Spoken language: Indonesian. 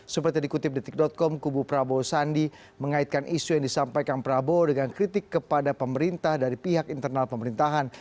seperti dikutip detik com kubu prabowo sandi mengaitkan isu yang disampaikan prabowo dengan kritik kepada pemerintah dari pihak internal pemerintahan